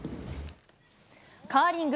カーリング